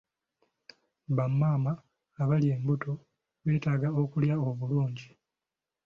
Bamaama abali embuto beetaaga okulya obulungi.